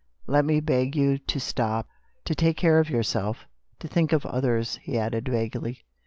Let me beg you to stop, to take care of yourself, to think of others," he added vaguely.